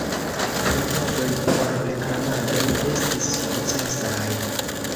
Klopodoj por reklamado ne estis sukcesaj.